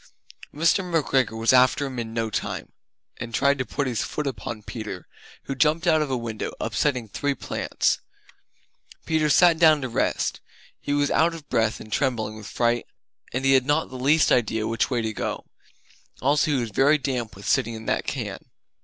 Mr. McGregor was after him in no time, and tried to put his foot upon Peter, who Jumped out of a window, upsetting three plants. Peter sat down to rest; he was out of breath and trembling with fright, and he had not the least idea which way to go. Also he was very damp with sitting in that can.